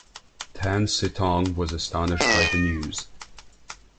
Tan Sitong was astonished by the news.